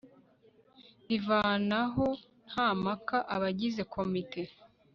rivanaho nta mpaka abagize komite